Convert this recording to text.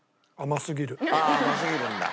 甘すぎるんだ。